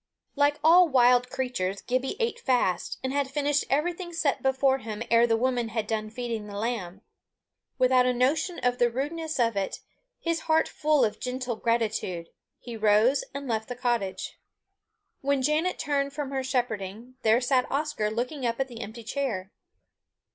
Like all wild creatures, Gibbie ate fast, and had finished everything set before him ere the woman had done feeding the lamb. Without a notion of the rudeness of it, his heart full of gentle gratitude, he rose and left the cottage. When Janet turned from her shepherding, there sat Oscar looking up at the empty chair.